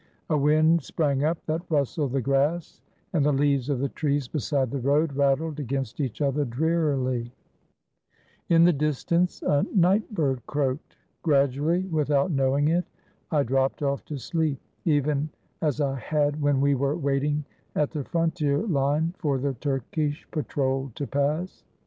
A wind sprang up that rustled the grass, and the leaves of the trees beside the road rattled against each other, drearily. In the distance, a 425 THE BALKAN STATES nightbird croaked. Gradually, without knowing it, I dropped off to sleep, even as I had when we were waiting at the frontier line for the Turkish patrol to pass.